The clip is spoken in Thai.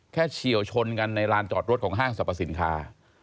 เฉียวชนกันในลานจอดรถของห้างสรรพสินค้า